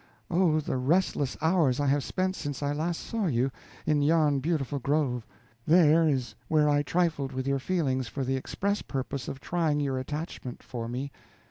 Oh, the restless hours I have spent since I last saw you, in yon beautiful grove. There is where I trifled with your feelings for the express purpose of trying your attachment for me.